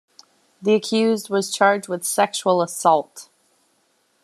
The accused was charged with sexual assault.